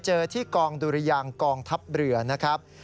เจอที่กองดุรยางกองทัพเรือนะครับ